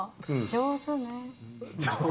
上手ね。